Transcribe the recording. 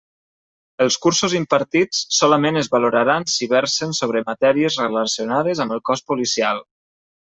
Els cursos impartits solament es valoraran si versen sobre matèries relacionades amb el cos policial.